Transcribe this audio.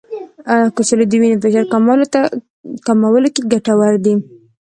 کچالو د وینې فشار کمولو کې ګټور دی.